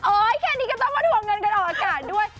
แค่นี้ก็ต้องมาทวงเงินกันออกอากาศด้วย